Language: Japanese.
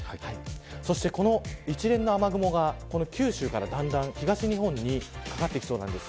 そして、この一連の雨雲が九州からだんだん東日本にかかってきそうです。